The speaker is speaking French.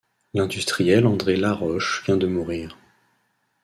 L'industriel André Laroche vient de mourir.